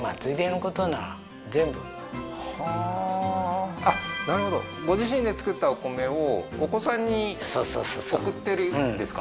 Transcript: はあーなるほどご自身で作ったお米をお子さんに送ってるんですか？